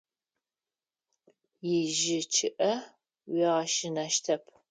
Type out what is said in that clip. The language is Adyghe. Ижьы чъыIэ уигъэщынэщтэп.